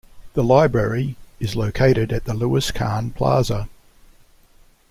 The library is located at the Louis Kahn Plaza.